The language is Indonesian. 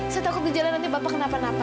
saya takut gejala nanti bapak kenapa napa